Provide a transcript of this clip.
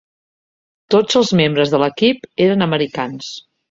Tots els membres de l'equip eren americans.